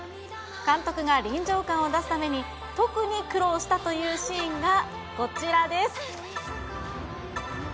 監督が臨場感を出すために、特に苦労したというシーンがこちらです。